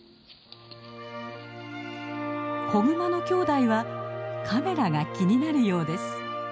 子グマのきょうだいはカメラが気になるようです。